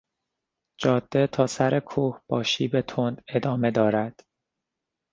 جاده تا سر کوه با شیب تند ادامه دارد.